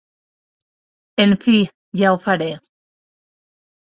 En fi: ja ho faré!